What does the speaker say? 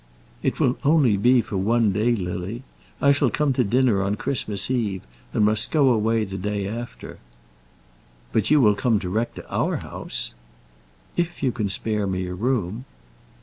"It will only be for one day, Lily. I shall come to dinner on Christmas Eve, and must go away the day after." "But you will come direct to our house!" "If you can spare me a room."